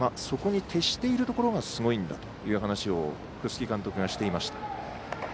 そこに徹しているところがすごいんだという話を楠城監督がしていました。